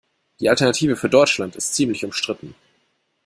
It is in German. Die Alternative für Deutschland ist ziemlich umstritten.